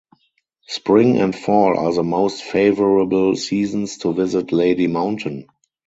Spring and fall are the most favorable seasons to visit Lady Mountain.